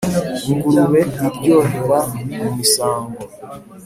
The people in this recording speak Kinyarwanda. Ingurube iryohera mu misango,